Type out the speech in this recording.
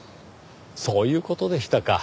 そういう事でしたか。